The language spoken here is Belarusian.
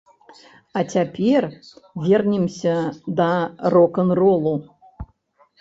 А цяпер вернемся да рок-н-ролу.